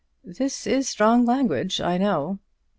"This is strong language, I know."